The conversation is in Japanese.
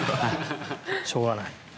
しょうがない。